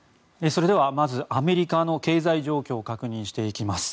それでは、まずアメリカの経済状況を確認していきます。